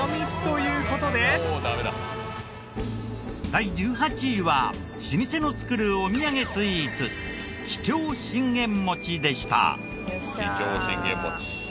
第１８位は老舗の作るお土産スイーツ桔梗信玄餅でした。